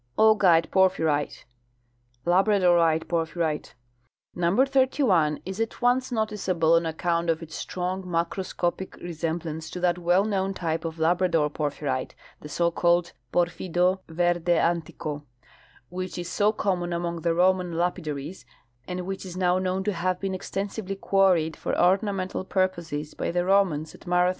Augite porphyrite (LabradorUe porpJtyrite f). — Number 31 is at once noticeable on account of its strong macroscopic resemblance to that Avell known type of labrador porphyrite, the so called purfido rcrde antiro, Avhich is so common among the Roman lapidaries, and which is now known to have been extensively quarried for ornamental purposes by the Romans at Marathonise * Neues Jahrbuoh fiir Miii.